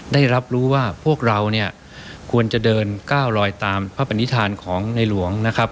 ได้รับรู้ว่าพวกเราเนี่ยควรจะเดินก้าวลอยตามพระปณิธานของในหลวงนะครับ